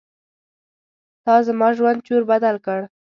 تا زما ژوند چور بدل کړ.